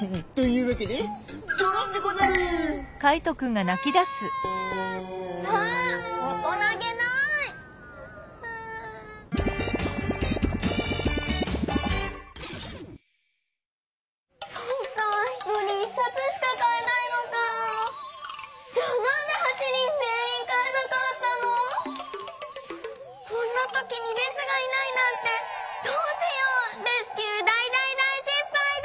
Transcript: こころのこえこんなときにレスがいないなんてどうしよう⁉レスキューだいだいだいしっぱいだ！